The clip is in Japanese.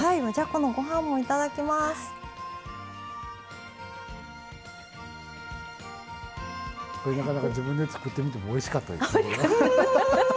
これなかなか自分で作ってみてもおいしかったです。